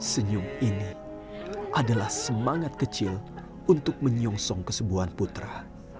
senyum ini adalah semangat kecil untuk menyongsong kesembuhan putra